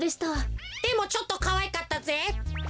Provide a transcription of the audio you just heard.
でもちょっとかわいかったぜ。